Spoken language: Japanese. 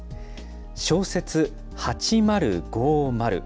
小説８０５０。